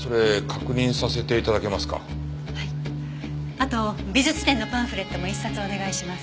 あと美術展のパンフレットも１冊お願いします。